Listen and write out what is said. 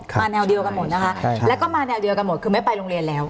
แนวเดียวกันหมดนะคะแล้วก็มาแนวเดียวกันหมดคือไม่ไปโรงเรียนแล้ว